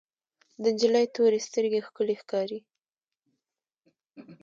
د انجلۍ تورې سترګې ښکلې ښکاري.